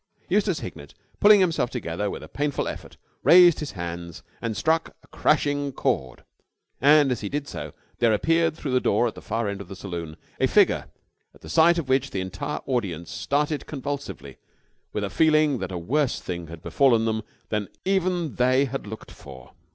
Eustace Hignett, pulling himself together with a painful effort, raised his hands and struck a crashing chord: and, as he did so, there appeared through the door at the far end of the saloon a figure at the sight of which the entire audience started convulsively with a feeling that a worse thing had befallen them than even they had looked for.